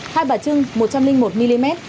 hai bà trưng một trăm linh một mm